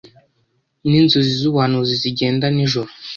ninzozi zubuhanuzi zigenda nijoro